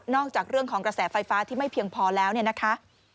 จากเรื่องของกระแสไฟฟ้าที่ไม่เพียงพอแล้วเนี่ยนะคะ